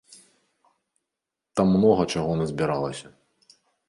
Там многа чаго назбіралася.